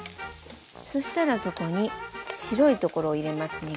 そしたらそこに白いところを入れます